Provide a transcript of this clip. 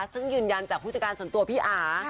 ซึ่งยืนยันจากผู้จัดการส่วนตัวพี่อา